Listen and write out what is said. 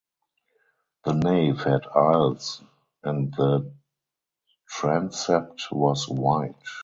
The nave had aisles and the transept was wide.